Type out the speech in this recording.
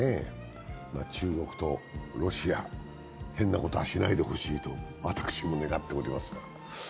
中国とロシア、変なことはしないでほしいと私も願っておりますが。